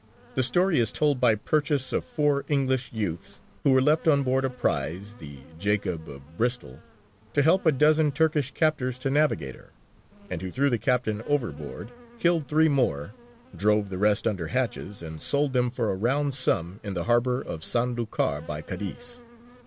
The story is told by Purchas of four English youths who were left on board a prize, the Jacob of Bristol, to help a dozen Turkish captors to navigate her, and who threw the captain overboard, killed three more, drove the rest under hatches, and sold them for a round sum in the harbour of San Lucar by Cadiz.